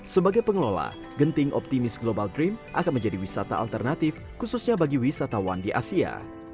sebagai pengelola genting optimist global dream akan menjadi wisata alternatif khususnya bagi wisatawan di asia